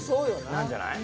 なんじゃない？